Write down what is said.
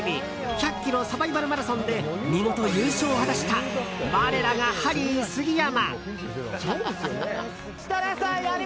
１００ｋｍサバイバルマラソンで見事、優勝を果たした我らがハリー杉山。